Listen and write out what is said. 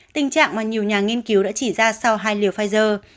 tình trạng mà nhiều nhà nghiên cứu đã chỉ ra sau hai liều pfizer